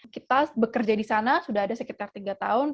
kita bekerja di sana sudah ada sekitar tiga tahun